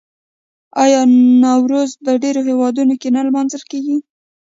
آیا نوروز په ډیرو هیوادونو کې نه لمانځل کیږي؟